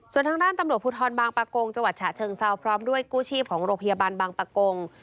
ส่วนทางด้านตำรวจภูทรบางประกงจังหวัดฉะเชิงเซาพร้อมด้วยกู้ชีพของโรงพยาบาลบางปะกง